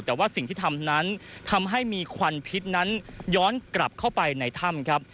แต่ว่าสิ่งที่ทำนั้นทำให้มีควันพิษนั้นย้อนกลับเข้าไปในถ้ำครับ